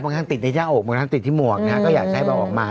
บางท่านติดในช่างอกบางท่านติดที่หมวกเนี่ยก็อยากใช้ออกมา